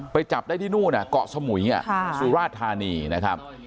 ไปจับได้ที่นู่นฮะก็๊าสมุยเนี่ยสูราธานีนะครับ